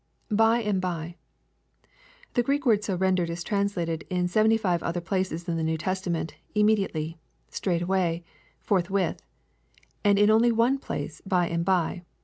[By and hy.] The Greek word so rendered is translated in seventy five other places in the New Testament, *' immediately," — "straightway," —" forthwith," and in only one place " by and by."